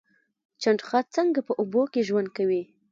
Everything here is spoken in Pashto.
چنډخه څنګه په اوبو کې ژوند کوي؟